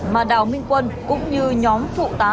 mà đào minh quân cũng như nhóm thụ tá